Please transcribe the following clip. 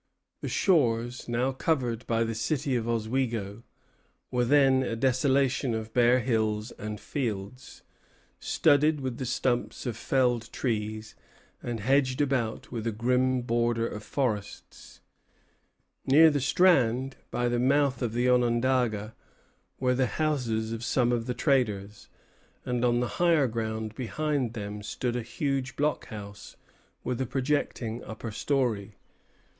The shores, now covered by the city of Oswego, were then a desolation of bare hills and fields, studded with the stumps of felled trees, and hedged about with a grim border of forests. Near the strand, by the mouth of the Onondaga, were the houses of some of the traders; and on the higher ground behind them stood a huge block house with a projecting upper story.